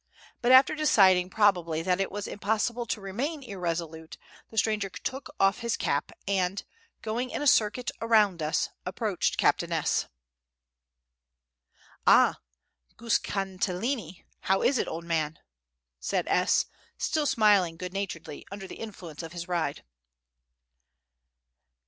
But after deciding, probably, that it was impossible to remain irresolute, the stranger took off his cap, and, going in a circuit around us, approached Captain S. "Ah, Guskantinli, how is it, old man?" [Footnote: Nu chto, batenka,] said S., still smiling good naturedly, under the influence of his ride.